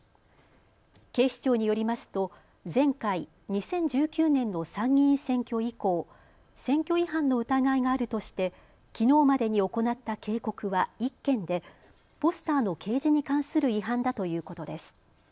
警視庁によりますと前回２０１９年の参議院選挙以降、選挙違反の疑いがあるとしてきのうまでに行った警告は１件でポスターの掲示に関する違反だということです。